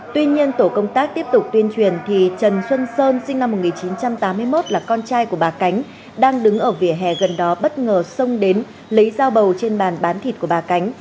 tuy nhiên tổ công tác tiếp tục tuyên truyền thì trần xuân sơn sinh năm một nghìn chín trăm tám mươi một là con trai của bà cánh đang đứng ở vỉa hè gần đó bất ngờ xông đến lấy dao bầu trên bàn bán thịt của bà cánh